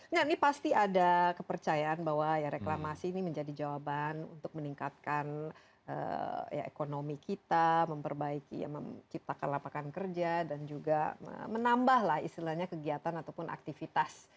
nah ini pasti ada kepercayaan bahwa ya reklamasi ini menjadi jawaban untuk meningkatkan ekonomi kita memperbaiki menciptakan lapangan kerja dan juga menambahlah istilahnya kegiatan ataupun aktivitas